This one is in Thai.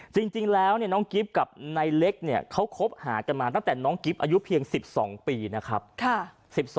จริงแล้วน้องกิฟต์กับนายเล็กเนี่ยเขาคบหากันมาตั้งแต่น้องกิ๊บอายุเพียง๑๒ปีนะครับ